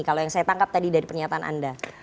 kalau yang saya tangkap tadi dari pernyataan anda